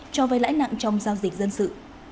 cho vây lãi nặng trong giao dịch dân sự